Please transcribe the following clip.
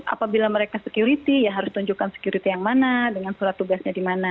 apabila mereka security ya harus tunjukkan security yang mana dengan surat tugasnya di mana